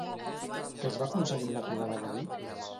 Què es va aconseguir en la trobada d'ahir?